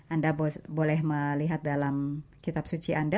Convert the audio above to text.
anda boleh melihat dalam kitab suci anda